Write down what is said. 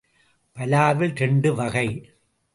பலாவில் இரண்டு வகை.